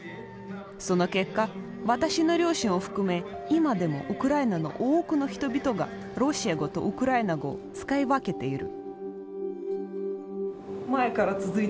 その結果私の両親を含め今でもウクライナの多くの人々がロシア語とウクライナ語を使い分けている。